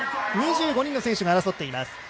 ２５人の選手が争っています。